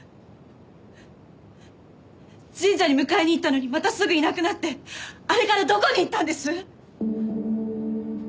神社に迎えに行ったのにまたすぐいなくなってあれからどこに行ったんです？